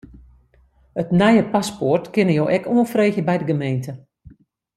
It nije paspoart kinne jo ek oanfreegje by de gemeente.